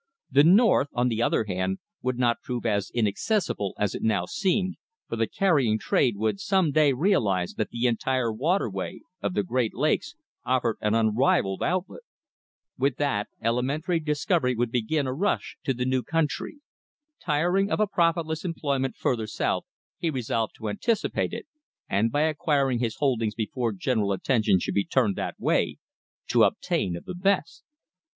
The north, on the other hand, would not prove as inaccessible as it now seemed, for the carrying trade would some day realize that the entire waterway of the Great Lakes offered an unrivalled outlet. With that elementary discovery would begin a rush to the new country. Tiring of a profitless employment further south he resolved to anticipate it, and by acquiring his holdings before general attention should be turned that way, to obtain of the best.